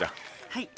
はい。